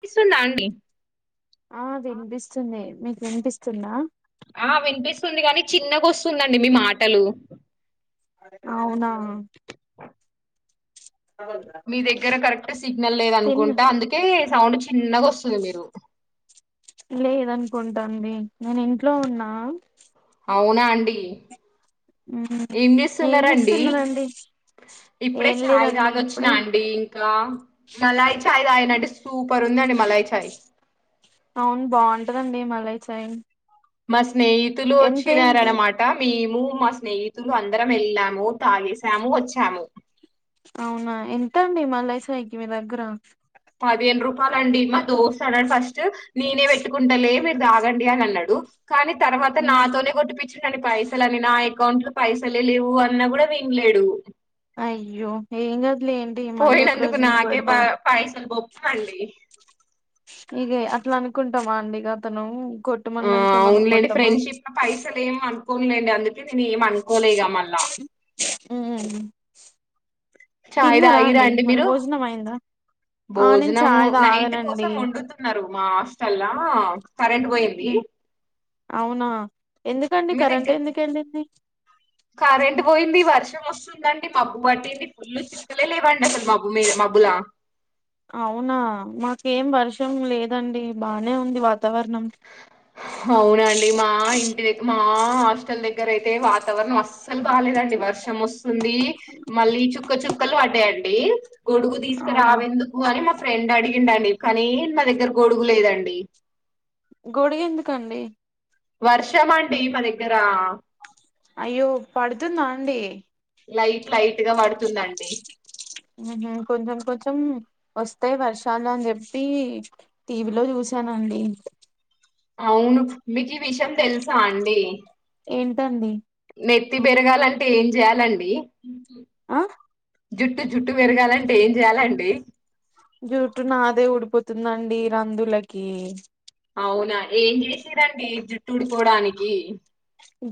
వినిపిస్తుందా అండి ఆ వినిపిస్తుంది మీకు వినిపిస్తుందా ఆ వినిపిస్తుంది కానీ చిన్నగా వస్తుందండి మీ మాటలు అవునా మీ దగ్గర కరెక్ట్ సిగ్నల్ తిన్న లేదనుకుంటా అందుకే సౌండ్ చిన్నగా వస్తుంది మీరు అనుకుంటాంది నేను ఇంట్లో ఉన్నా అవునా అండి మ్మ్. ఏం ఏం చేస్తున్నారండి చేస్తున్నరండి ఇప్పుడే ఏం చాయ్ లేదండి తాగొచ్చినా ఇప్పుడే అండి ఇంక మలాయి చాయ్ తాగిన అండీ సూపర్ ఉందండి మలాయి చాయి ఎట్లుంది మలాయి చాయ్ మస్ స్నేహితులు ఎంతేంటి వచ్చినారన్నమాట మేము మా స్నేహితులు అందరం వెళ్ళాము తాగేసాము వచ్చాము అవునా ఎంతండి మలై చాయ్ కి మీ దగ్గర పదిహేను రూపాయలు అండి మ ఫస్ట్ నేనే పెట్టుకుంటాలే దాగండియా అన్నడు కానీ తర్వాత మ్మ్. నాతోనే కొట్టిపిచ్చిండండి పైసలన్నీ నా అకౌంట్ లో పైసలే లేవు అన్నా కూడా వినలేడు అయ్యో ఏం కాదు పోయినందుకు నాకే పైసలు బొక్క అండి ఇగ అట్లా అనుకుంటామా అండి ఇక అతను ఆ కొట్టమన్నాక మనం అవునులేండి కొట్టమా ఫ్రెండ్షిప్ లో పైసలు ఏమ అనుకోలేండి అందు నేను ఏం అనుకోలేగా మళ్ళా హ్మ్ చాయ్ తాగిండ్రా అండి మీరు అయిందా ఆ నేను భోజనము చాయ్ నైట్ తాగనండి కోసం వండుతున్నారు మా హాస్టల్లా కరెంట్ పోయింది అవునా ఎందుకండి మీ కరెంట్ దగ్గర ఎందుకు ఎళ్ళింది కరెంట్ పోయింది వర్షం వస్తుందండి మబ్బు పట్టింది ఫుల్ చిక్కలే లేవండి అసలు మబ్బు మీద మబ్బులా అవునా మాకేం వర్షం లేదండి బానే ఉంది వాతావరణం అవునండి మా ఇం మా హాస్టల్ దగ్గర అయితే వాతావరణం అస్సల్ బాలేదండి వర్షం వస్తుంది మళ్ళీ చుక్క చుక్కలు పడ్డాయండి గొడుగు అవునా తీసుకురావెందుకు అని మా ఫ్రెండ్ అడిగిండండి కానీ మా దగ్గర గొడుగు లేదండి గొడుగు ఎందుకండీ వర్షమండి మా దగ్గర అయ్యో పడుతుందా అండి లైట్ లైట్ గా పడుతుందండి హ్మ్ కొంచెం కొంచెం వస్తాయి వర్షాలు అని చెప్పి టీవీలో చూసానండి అవును మీకు ఈ విషయం తెలుసా అండి ఏంటండి ఎత్తి బెరగాలంటే ఏం చేయాలండి ఆ జుట్టు జుట్టు పెరగాలంటే ఏం చేయ్యాలండి జుటు నాదే ఊడిపోతుందండి రందుులకి అవునా ఏం చేసిరండి జుట్టుడిపోడానికి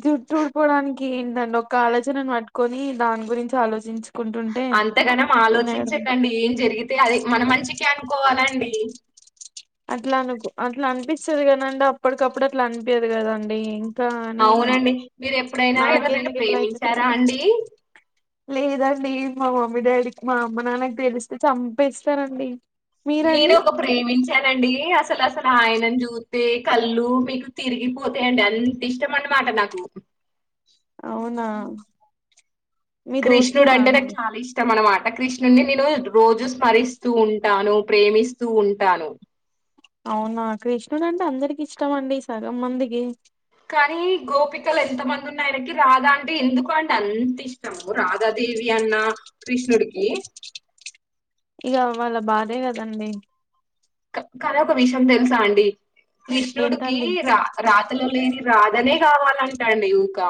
జుట్టు ఊడిపోవడానికి ఏంటండి ఒక ఆలోచనని పట్టుకొని దాని గురించి ఆలోచించు అంతగానం ఆలోచించకండి ఏం జరిగితే అది మన మంచి కే అనుకోవాలండి అట్లా అనుకో అట్లా అనిపిస్తాది కదండి అప్పటికప్పుడు అట్లా అనిపియ్యదు కదండి అని అవునండి మీరు ఎప్పుడైనా ఎవరినైనా నాకెందుకు ఇట్లా అయితది ప్రేమించారా అండి లేదండి మా మమ్మీ డాడీకి మా అమ్మ నాన్నకి తెలిస్తే చంపేస్తారండి నేను మీరండి ఒక ప్రేమించానండి ఏ అసలు అసలు ఆయన చూస్తే కళ్ళు మీకు తిరిగిపోతాయండి అంత ఇష్టం అన్నమాట నాకు అవునా మీ కృష్ణుడు దోస్తేనా అంటే నాకు అండి చాలా ఇష్టం అనమాట కృష్ణుని నేను రోజు స్మరిస్తూ ఉంటాను ప్రేమిస్తూ ఉంటాను అవునా కృష్ణుడు అంటే అందరికి ఇష్టం అండి సగం మందికి కానీ గోపికలు ఎంతమంది ఉన్నా ఆయన కి రాదా అంటే ఎందుకు అంట అంత ఇష్టం ఓ రాధాదేవి అన్న కృష్ణుడుకి ఇక వాళ భార్యే కదండి కానీ ఒక విషయం తెలుసా అండి కృష్ణుడికి ఏంటండి రా రాత్రల లేని రాధనే కావాలంటాడు నీవుకా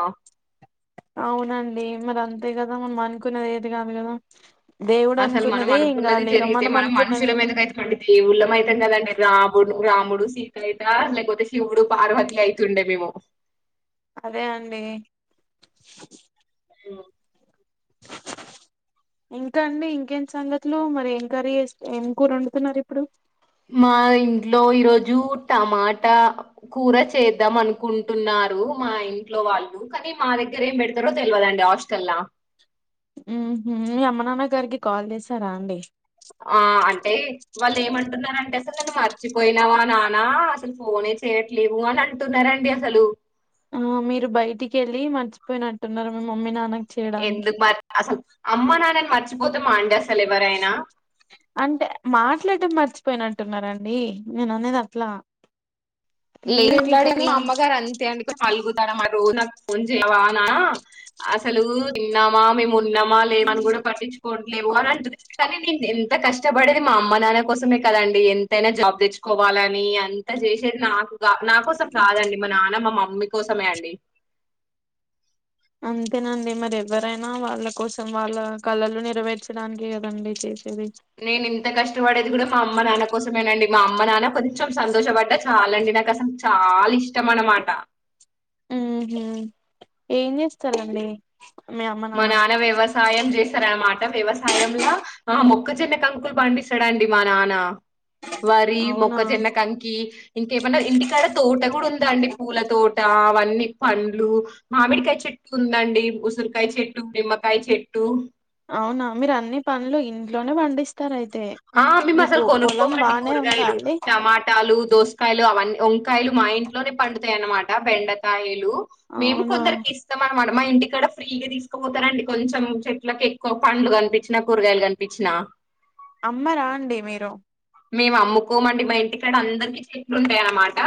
అవునండి మరి అంతే కదా మనం అనుకునేది ఏది కాదు కదా దేవుడు అసలు మనం అనుకున్నదే ఏం అనుకున్నది కాలే ఇగ జరిగితే మనం అనుకున్నది మనుషుల మీదక అయితు దేవుళ్ళం అైతం కదండి రాబోడు రాముడు సీత అయిత లేకపోతే శివుడు పార్వతి అయితుండే మేము అదే అండి ఆ ఇంకా అండి ఇంకేంటి సంగతులు మరి ఏం కరీ ఏం కూర వండుతున్నారు ఇప్పుడు మా ఇంట్లో ఈరోోజు టమాటా కూర చేద్దాం అనుకుంటున్నారు మా ఇంట్లో వాళ్ళు కానీ మా దగ్గర ఏం పెడతారో తెలియదండి హాస్టల్లా ఉ మీ అమ్మ నాన్న గారికి కాల్ చేసారా అండి ఆ అంటే వాళ్ళు ఏమంటున్నారంటే అసలు నన్ను మర్చిపోయినావా నానా అసలు ఫోనే చేయట్లేవు అని అంటున్నారండి అసలు ఆ మీరు బయటికి వెళ్ళి మర్చిపోయినట్టున్నారు మీ మమ్మీ నాన్న ఎందుకు మరి అసలు అమ్మ నాన్నని మర్చిపోతా మాండస్ అంటే మాట్లాడటం మర్చి పోయిన అంటున్నండి నేన అనేది అట్లా లే మీరెందుకు కలాడ అట్లా అమ్మగారు అంత అక పల్గుతడా రజ నాన్వా అసలు చిన్న మ ఉన్నామా లేమని కూడా పట్టించుకోండి లేవు అని అంటుంది కానీ నేను ఎంత కష్టపడేది మా అమ్మ నాన్న కోసమే కదండి ఎంతైనా జాబ్ తెచ్చుకోవాలని అంత చేసేది నాకు నా కోసం కాదండి మా నాన్న మా మామ మమ్ మీ కోసమే అండి అంతేనండి మరి ఎవ్వరైనా వాళ్ళ కోసం వాళ్ళ కలలు నెరవేర్చడానికి కదండి చేసే నేను ఇంత కష్ట కష్ట పడేది కూడా మా అమ్మ నాన్న కోసమేనండి మా అమ్మ నాన్న కొంచెం సంతోషపడ్డా చాలండి నాకు అసలు చాలా ఇష్టం అనమాట హ్మ్మ్ ఏం చేస్తారండి మా నాన్న వ్యవసాయం చేస్తార అనమాట వ్యవసాయం లా ఆ మొక్క చిన్న కంకులు పండిస్తారు అండి మా నాన్న వరి అవునా మొక్కజొన్న కంకి ఇంక మన ఇంటి కాడ తోట కూడా ఉందా అండి పూలతోోట? అవన్నీ పండ్లు మామిడికాయ చెట్టు ఉందండి ఉసురు చెట్టు ఉండేది నిమ్మకాయ చెట్టు అవునా మీరు అన్ని పండ్లు ఇంట్లోనే పండిస్తారు అయితే ఆ మేము మీకు అసలు పొలం కొనుక్కోమండి బానే ఉందా కూరగాయలు అండి టమాటాలు దోసకాయలు అవన్నీ వంకాయలు మా ఇంట్లోనే పండుతాయ అన్నమాట బెండకాయలు మేము అవునా కొందరికి ఇస్తాం మా ఇంటికాడ ఫ్రీగా తీసుకుపోతారంండి కొంచెం చెట్లకి ఎక్కువ పండ్లు కనిపించిన కూరగాయలు కనిపించిన అమ్మరాండి మీరు మేము అమ్ముకోమండి మా ఇంటికాడ అందరికి చెట్లుంటాయ అన్నమాట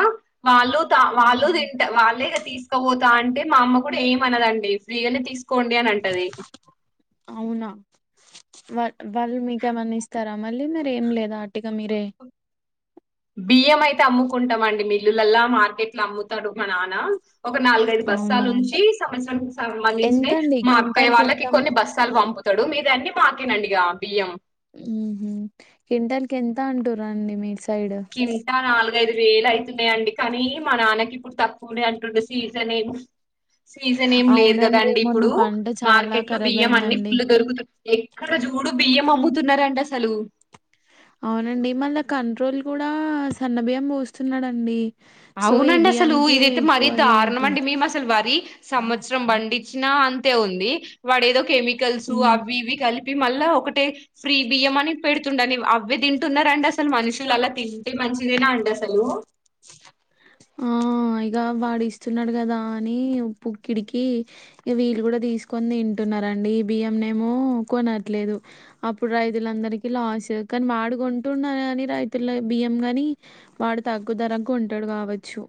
వాళ్ళు త వాళ్ళు తింట వాళ్ళే తీసుకపోతా అంటే మా అమ్మ కూడా ఎం అనదండి ఫ్రీగానే తీసుకు కోండి అని అంటది. అవునా వా వాళ్ళు మీకు ఏమన్నా ఇస్తారా మళ్ళీ మీరు ఏం లేదా అటిగా మీరే బియ్యం అయితే అమ్ముకుంటాం అండి మిల్లులలా మార్కెట్ లో అమ్ముతాడు మా నాన్న ఒక నాలుగైదు అవునా బస్తాలు ఉంచి సంవత్సరం కి సంబంధించిన ఎంతండి మా అక్కయ క్వింటాల్ కి ఎంత వాళ్ళకి కొన్ని బస్తాలు పంపుతాడు మీ ఇవ్వని మాకే నండి ఇగ బియ్యం హ్మ్మ్ కింటాల్ కి ఎంత అంటురండి మీ సైడ్ కింటా నాలుగైదు వేలు అవుతున్నాయంండి కానీ మా నాన్నకి ఇప్పుడు తక్కువనే అంటుండే సీజన్ ఏమి సీజన్ ఏం లేదు అవునండి కదండి మొన్న ఇప్పుడు పంట చాలా మార్కెట్ లో ఖరాబ్ బియ్యం అన్ని అయిందండి ఫుల్ దొరుకుతుంది ఎక్కడ చూడు బియ్యం అమ్ముతున్నారండి అసలు అవునండి మళ్ళా కంట్రోల్ కూడా సన్న బియ్యం పోస్తున్నాడంండి అవునండి అసలు ఇదైతే మరీ దారుణం చేయట్లే అండి మేము అసలు వరి సంవత్సరం పండించిన అంత అంతే ఉంది వాడు ఏదో కేెమికల్స్ ఉమ్ అవి ఇవి కలిపి మళ్ళా ఒకటే ఫ్రీ బియ్యం అని పెడుతుండని అవే తింటున్నారా అండి అసలు మనుషులు అలా తింటే మంచిదేనా అండి అసలు ఆ ఇక వాడు ఇస్తున్నాడు కదా అని పుక్కిడికి ఇక వీలు కూడా తీసుకొని తింటున్నారండి బియ్యం ఏమో కొనట్లేదు అప్పుడు రైతులందరికీ లాస్ కానీ వాడు కొంటున్నా కాని రైతుల బియ్యం గాని వాడు తగ్గు ధర కొంటాడు కాబ వచ్చు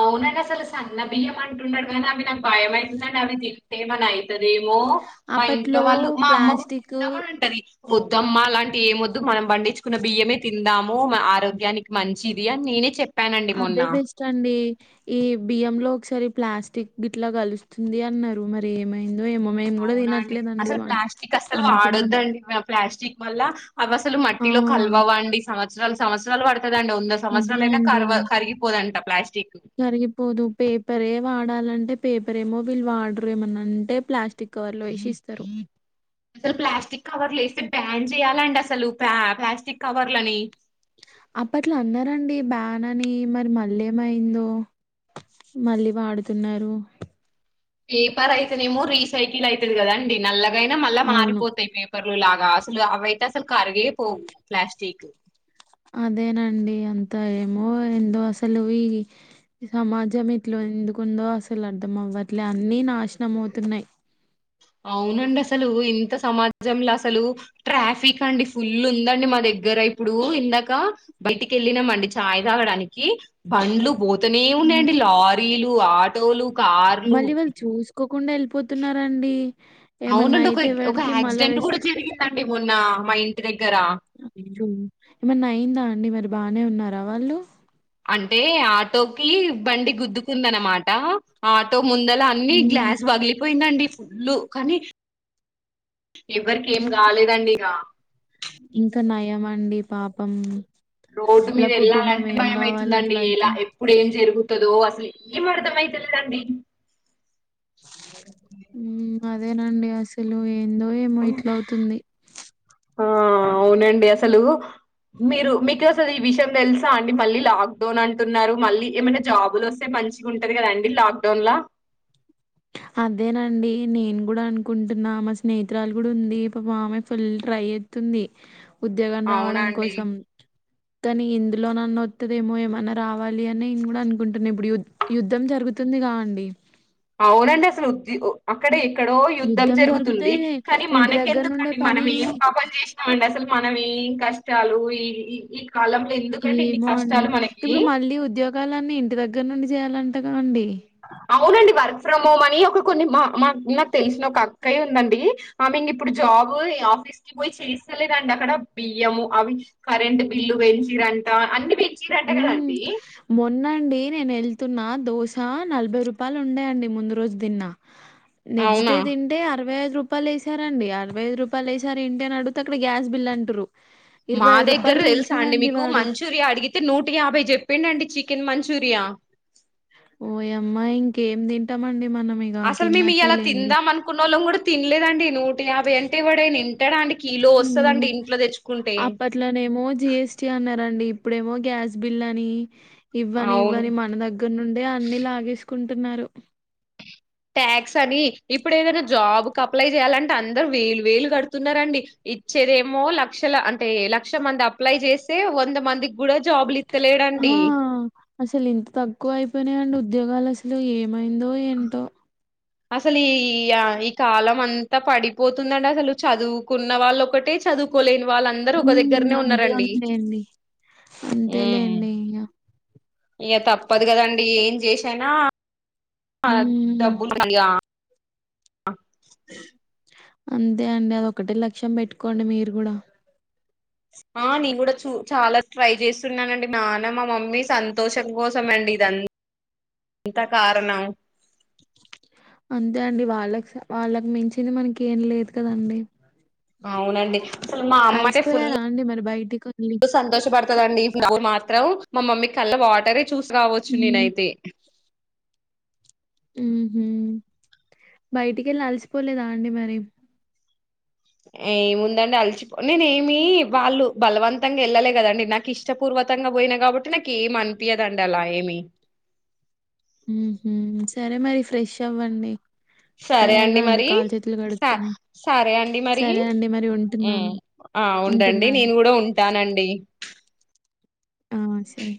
అవునండి అసలు సన్న బియ్యం అంటున్నాడు కానీ అవి నాకు భయమైతుందండి అవి తింటేమన్నై దరేమో మా ఇంట్లో అప్పట్లో వాళ్ళు మా అమ్మ కూడా ప్లాస్టిక్ తిందామనంటది వద్దమ్మ అలాం ఏమొద్దు మనం పండించుకున్న బియ్యమే తిందాము మ ఆరోగ్యానికి మంచిది అని నేనే చెప్ అదే బెస్ట్ అండి. ఈ బియ్య లో ఒకసారి ప్లాస్టిక్ గిట్లా కలుస్తుంది అన్నారు మరి ఏమైం అవునా అండి అసలు ప్లాస్టిక్ అస్సలు అమ్ముతున్నాం వాడొద్దండి, మ ప్లాస్టిక్ మళ్లా అవి అసలు ఆ మట్టిలో కలవవండి సమ త్సరాలు సంవత్సరాలు పడ్ గదండి వంద సంవత్సరాలయినా కర్వద్ కరిగిపోదంట. ప్లాస్ అరిగిపోదు పేపరే వాడాలంటే పేపర్ ఏమో వీళ్ళు వాడరు, ఏమనంటే ప్లాస్టిక్ కవర్ లో వేసి ఇస్తారు. అసలు ప్లాస్టిక్ కవర్లు వేస్తే, బ్యాన్ చేయ్యాలండి అసలు ప్లా ప్లాస్టిక్ కవర్లని. అప్పట్లో అన్నారండి బ్యాన్ అని మరి మళ్ళీ ఏమైందో, మళ్ళీ వాడుతున్నారు. పేపర్ అయితే నేమో రీసైకిల్ అయితది కదా అండి నల్ల గైనా మళ్ళా అవును మారిపోతాయి పే కవర్లు లాగా అసలు అవైతే అసలు కరిగే పోవు ప్లాస్టిక్. అదేనండి అంతా ఏమో ఎందో అసలు ఈ సమాజం ఇట్ల ఎందుకుందో అసలు అర్ధం అవ్వట్లే అన్నీ నాశనం అవుతున్నాయి. అవునండి అసలు ఇంత సమాజంల అసలు ట్రాఫిక్ అండి ఫుల్ ఉందండి మా దగ్గర, ఇప్పుడు ఇందాక బయటికి వెళ్ళినామండి చాయ్ తాగడానికి బండ్లు పోతనే ఉమ్, ఉన్నాయండి లారీలు ఆటోలు. కార్లు కోకుండా వెళ్ళిపోతున్నారండి. ఏమన్నా అవునండి ఒక అయితే ఒక ఎవరికి మళ్ళా యాక్సిడెంట్ కూడా జరిగిందండి మొ న్న మా ఇంటి దగ్ ఏమన్న అయిందా అండి మరి బానే ఉన్నారా వాళ్ళు? అంటే ఆటోకి బండి గుద్దుకుందనమాట, ఆటో ముందలా అన్ని ఉమ్ గ్లాస్ పగిలి పోయిందండి ఫుల్లు, కానీ ఎవరికి ఏం కాలేదండి ఇగా. ఇంకా నయం అండి పాపం రోడ్డు ఇలా మీద కుటుంబం వెళ్ళాలంటే ఏం కావాలి భయమైతుందండి. అట్లా అయితే ఎలా ఎప్పుడు ఏం జరుగు తదో అసలు ఏం అర్థమైతలేదండి. హ్మ్ అదేనండి అసలు ఎ ఏందో ఏమో ఇట్లా అవుతుంది. ఆ అవునండి అసలు మీరు మీకు అసలు ఈ విషయం తెల్స్ అండి మళ్ళీ లాక్ డౌన్ అంటున్నారు మళ్ళీ ఏమన్న జాబులొస్తే మంచిగా ఉంటది కదండి లాక్డౌన్ లా అదేనండి నేను కూడా అనుకుంటున్నా మా స్నేహితురాలు కూడా ఉంది పాపం ఆమె ఫుల్ ట్రై ఎత్తుంది ఉద్యోగం రావడాని అవునండి కోసం కానీ ఇందులోనన్న వత్తదేమో ఏమన్నా రావాలి అని నేను కూడా అనుకుంటున్నా ఇప్పుడు యుద్ యుద్ధం జరుగుతుంది కా అండి. అవునండి అసలు ఉద్ ఒ ఒక్కడే ఎక్కడో యుద్ధం జరుగుతుంది కానీ ఇంటి దగ్గర నుండే మనకెందుకండి మనం పని ఏం పాపం చేసినామండి అసలు మనవి కష్టాలు ఈ కాలంలో ఎందుకంటే ఇన్ని ఏమో అండి కష్టాలు మనకి ఇప్పుడు మళ్ళీ ఉద్యోగాలన్నీ ఇంటి దగ్గర నుండి చేయాలంటే అంతగా అండి అవునండి వర్క్ ఫ్రమ్ హోమ్ అని ఒక కొన్ని మా మా నాకు తెలిసిన ఒక అక్కయ ఉందండి ఆమె ఇంక్ ఇప్పుడు జాబ్ ఆఫీస్ కి పోయి చేస్తలేదండి అక్కడ బియ్యము అవి కరెంట్ బిల్లు పెంచిరంటా అన్ని పెంచిరంట హుమ్ కదండి మొన్నండి నేను ఎళ్తున్నా దోశ నలభై రూపాయలు ఉండ అండి ముందు రోజు తిన్న నెక్స్ట్ డే అవునా తింటే అరవై ఐదు రూపాయలు ఏసారండి అరవై ఐదు రూపాయలు ఏసారు ఏంటి అంటే అక్కడ గ్యాస్ బిల్ అంటూర్రు మా దగ్గర తెలుసా అండి మీకు వాడు. మంచూరియా అడిగితే నూట యాభై చెప్పిండండి చికెన్ మంచూరియా ఓయమ్మా ఇంకేం తింటామండి మనం ఇగ అసలు మేము తిన్నట్టే ఇయ్యాల లేండి. తిందాం అనుకున్నోలం గుడ తిన్లేదండి నూట యబై అంటే ఎవడన్నా తింటాడ అండి కిలో హుమ్ వస్తదండి ఇంట్లో తెచ్చుకుంటే అప్పట్లోనేమో జిఎస్టి అన్నారన్ ఇప్పుడేమో గ్యాస్ బిల్ అని ఇవ్వని అవును ఇవ్వని మన దగ్గర నుండే అన్ని లాగేస్ కుంటున్నారు ట్యాక్స్ అవి ఇప్పుడు ఏదైనా జాబ్ అప్లై చేయ్యాలంటే అందరు వేలు వేలు కడుతున్నారండి ఇచ్చేదేమో లక్షల అంటే ఏ లక్ష మంది అప్లై చేస్తే వంద మంది ఆ అసలు ఇంత తక్కువ అయిపోయినాయండి ఉద్యోగాలు అసలు ఏమైందో ఏంటో అసలు ఈ ఈ ఈ కాలం అంత అంత పడిపోతుందండి అసలు చదువుకున్న వాళ్ళు ఒకటే చదువుకోలేని వాళ్ళందరూ ఒక ఉమ్ దగ్గరనే అంతే ఉన్నారండి అంతేలేండి హుమ్ అంతేలేండి ఇగ ఇగా తప్పదు కదండి ఏం జేసైనా ఉమ్ దబ్బులుండి [unintelligible] అంతే అండి అది ఒక్కటే లక్ష్యం పెట్టుకోండి మీరు కూడా ఆ నేను కూడా చూ చాలా ట్రై చేస్తున్నానండి నాన్న మా మమ్మీ సంతోషం కోసం అండి ఇదంత ఇదంతా కారణం అంతే అండి వాళ్ళకి వాళ్ళకి మించింది మనకి ఏం లేదు కదండి అవునండి అసలు మా అమ్మ అయితే ఫుల్ అలసిపోయారా అండి మరి బయటికిళ్ళి కాదండి మాత్రం మా మమ్మీ కళ్ళ వాటర్ చూసి రావచ్చు ఉమ్ నేనైతే మ్మ్ హ్మ్ బయటికి వెళ్ళ అలసిపోలేదా అండి మరి ఏముందండి అలిచిపో నేనే ఏమి వాళ్ళు బలవంతంగా వెళ్ళలే కదండి నాకు ఇష్టపూర్వకంగా పోయినా కాబట్టి నాకు ఏమి అనిపియదండి అలా ఏమి ఉహూ సరే మరి ఫ్రెష్ అవ్వండి సరే తయారుగా అండి మరి కాలు చేతులు కడుక్కొని సరే అండి మరి సరే అండి మరి హూ ఉంటున్నాను ఆ ఉండండి ఉంటున్నాను నేను కూడా ఉంటానండి ఆ సరే